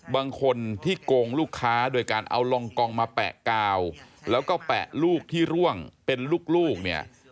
บางคนที่โกงลูกค้าโดยการเอาลองกองมาแปะกาวแล้วก็แปะลูกที่ร่วงเป็นลูกเนี่ย